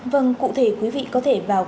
vâng cụ thể quý vị có thể vào